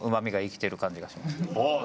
おっ！